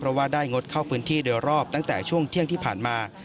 เพราะว่าได้งดเข้าพื้นที่โดยรอบตั้งแต่ช่วงเที่ยงที่ผ่านมา